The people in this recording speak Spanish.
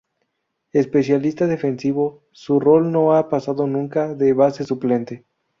Especialista defensivo, su rol no ha pasado nunca de base suplente.